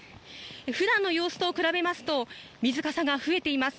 普段の様子と比べますと水かさが増えています。